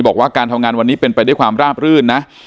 บอกว่าการทำงานวันนี้เป็นไปด้วยความราบรื่นนะ